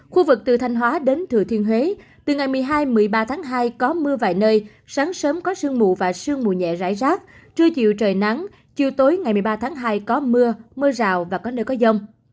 khu vực từ thanh hóa đến thừa thiên huế từ ngày một mươi hai một mươi ba tháng hai có mưa vài nơi sáng sớm có sương mù và sương mù nhẹ rải rác trưa chiều trời nắng chiều tối ngày một mươi ba tháng hai có mưa mưa rào và có nơi có dông